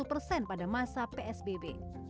enam puluh satu persen pada masa psbb